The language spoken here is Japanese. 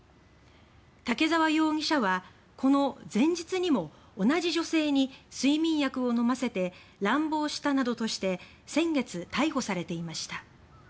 竹澤容疑者は、この前日にも同じ女性に睡眠薬を飲ませて乱暴したなどとして先月、逮捕されていました。